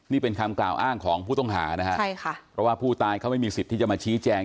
นี่เป็นคำกล่าวอ้างของผู้ต้องหานะฮะใช่ค่ะเพราะว่าผู้ตายเขาไม่มีสิทธิ์ที่จะมาชี้แจง